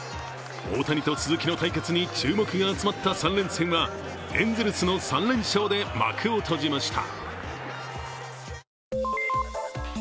大谷と鈴木の対決に注目が集まった３連戦はエンゼルスの３連勝で幕を閉じました。